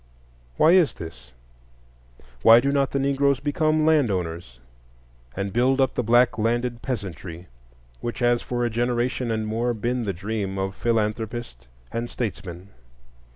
Why is this? Why do not the Negroes become land owners, and build up the black landed peasantry, which has for a generation and more been the dream of philanthropist and statesman?